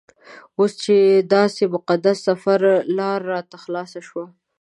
اوس چې داسې مقدس سفر لاره راته خلاصه شوه.